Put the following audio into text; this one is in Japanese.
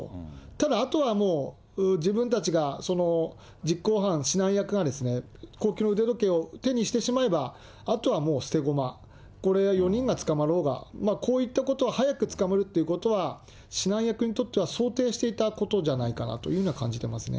ただ、あとはもう自分たちが実行犯、指南役が高級の腕時計を手にしてしまえば、あとはもう捨て駒、これは４人が捕まろうが、こういったことは早く捕まるということは、指南役にとっては想定していたことじゃないかなと感じてますね。